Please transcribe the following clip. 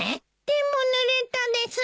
でもぬれたです。